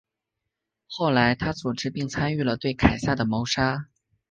后来他组织并参与了对凯撒的谋杀。